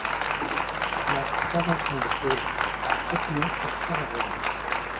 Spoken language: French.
Place Saint-Vincent de Paul à Châtillon-sur-Chalaronne